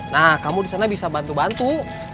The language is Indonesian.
nah kamu di sana bisa bantu bantu